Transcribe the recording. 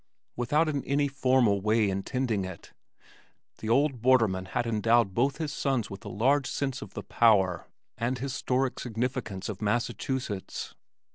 Without in any formal way intending it the old borderman had endowed both his sons with a large sense of the power and historic significance of Massachusetts.